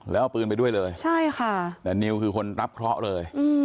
และขับปืนมาด้วยเลยแต่นิวคือคนรับเคราะห์เลย